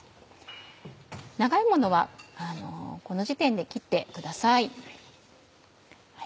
長いものはこの時点で切ってください。